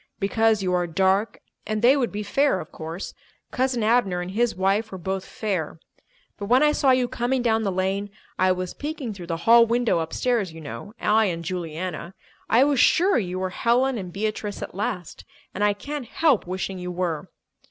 Because you are dark and they would be fair, of course; Cousin Abner and his wife were both fair. But when I saw you coming down the lane—I was peeking through the hall window upstairs, you know, I and Juliana—I was sure you were Helen and Beatrice at last. And I can't help wishing you were!"